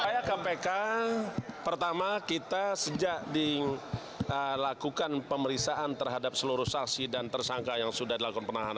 saya kpk pertama kita sejak dilakukan pemeriksaan terhadap seluruh saksi dan tersangka yang sudah dilakukan penahanan